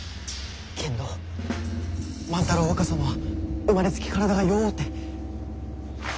けんど万太郎若様は生まれつき体が弱うて。